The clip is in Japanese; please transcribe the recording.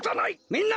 みんな！